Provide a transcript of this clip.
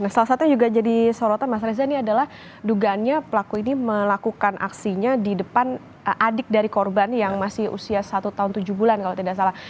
salah satu yang juga jadi sorotan mas reza ini adalah dugaannya pelaku ini melakukan aksinya di depan adik dari korban yang masih usia satu tahun tujuh bulan kalau tidak salah